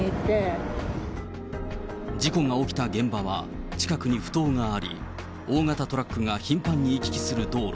事故が起きた現場は、近くにふ頭があり、大型トラックが頻繁に行き来する道路。